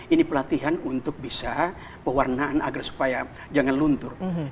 ini pelatihan untuk bisa pewarnaan agar supaya jangan luntur